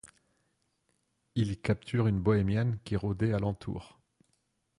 Ils capturent une bohémienne qui rôdait alentour.